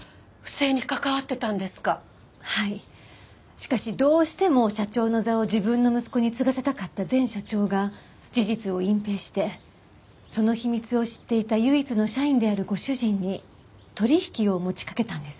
しかしどうしても社長の座を自分の息子に継がせたかった前社長が事実を隠蔽してその秘密を知っていた唯一の社員であるご主人に取引を持ちかけたんです。